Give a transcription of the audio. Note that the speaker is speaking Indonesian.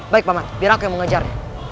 baik paman biar aku yang mengejar